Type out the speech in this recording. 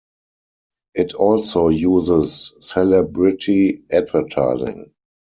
It also uses celebrity advertising.